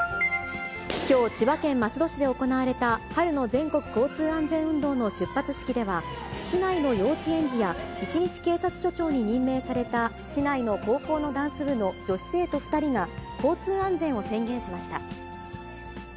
きょう、千葉県松戸市で行われた春の全国交通安全運動の出発式では、市内の幼稚園児や一日警察署長に任命された市内の高校のダンス部の女子生徒２人が交通安全を宣言しました。